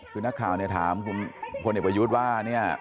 หนักข่าวทำงานถามคนเอกประยุทธ์ว่า